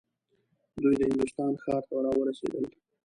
دوی د هندوستان ښار ته راورسېدل.